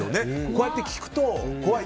こうやって聞くと怖い。